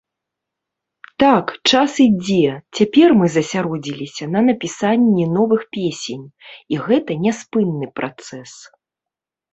Так, час ідзе, цяпер мы засяродзіліся на напісанні новых песень, і гэта няспынны працэс.